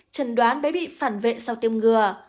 trần đoán bé bị phản vệ sau tiêm ngừa